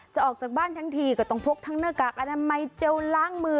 ออกจากบ้านทั้งทีก็ต้องพกทั้งหน้ากากอนามัยเจลล้างมือ